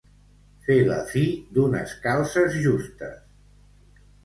Fer la fi d'unes calces justes.